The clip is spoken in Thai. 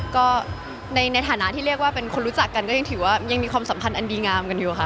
ก็ในฐานะที่เรียกว่าเป็นคนรู้จักกันก็ยังถือว่ายังมีความสัมพันธ์อันดีงามกันอยู่ค่ะ